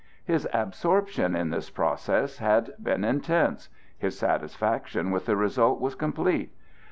His absorption in this process had been intense; his satisfaction with the result was complete.